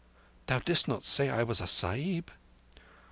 "Thou didst not say I was a Sahib?"